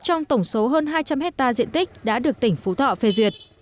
trong tổng số hơn hai trăm linh hectare diện tích đã được tỉnh phú thọ phê duyệt